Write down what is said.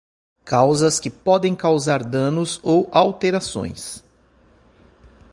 Causas que podem causar danos ou alterações.